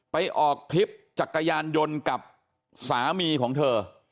ออกคลิปจักรยานยนต์กับสามีของเธอ